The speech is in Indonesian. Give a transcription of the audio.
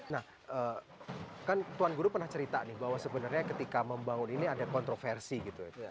nah kan tuan guru pernah cerita nih bahwa sebenarnya ketika membangun ini ada kontroversi gitu ya